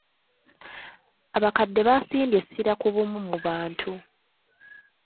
Abakadde basimbye essira ku bumu mu bantu.